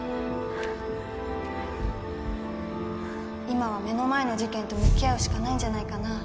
今は目の前の事件と向き合うしかないんじゃないかな。